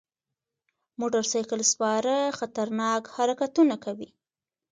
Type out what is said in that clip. موټر سایکل سپاره خطرناک حرکتونه کوي.